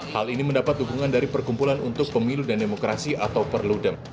hal ini mendapat dukungan dari perkumpulan untuk pemilu dan demokrasi atau perludem